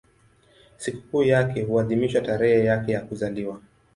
Sikukuu yake huadhimishwa tarehe yake ya kuzaliwa.